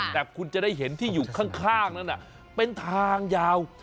แต่คุณจะได้เห็นที่อยู่ข้างนั้นเป็นทางยาว